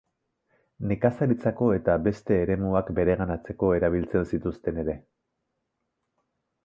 Nekazaritzako eta beste eremuak bereganatzeko erabiltzen zituzten ere.